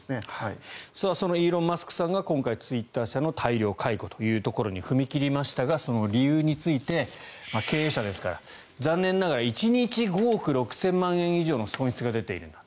そのイーロン・マスクさんが今回、ツイッター社の大量解雇というところに踏み切りましたがその理由について経営者ですから残念ながら１日５億６０００万円以上の損失が出ているんだ。